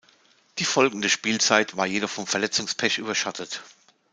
Die folgende Spielzeit war jedoch vom Verletzungspech überschattet.